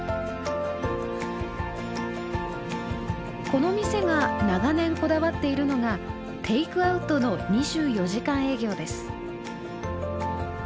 この店が長年こだわっているのがテイクアウトの２４時間営業です。